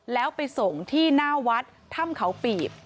แล้วไปส่งที่หน้าวัดถ้ำเขาปีบ